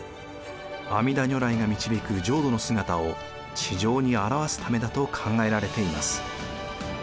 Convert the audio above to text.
阿弥陀如来が導く浄土の姿を地上に表すためだと考えられています。